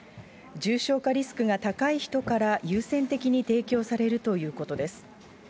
重症化リスクが高い人から、優先的に提供されるということです。